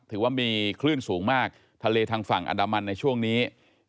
ถือว่ามีคลื่นสูงมากทะเลทางฝั่งอันดามันในช่วงนี้